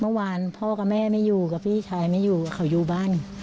เมื่อวานพ่อกับแม่ไม่อยู่กับพี่ชายไม่อยู่กับเขาอยู่บ้าน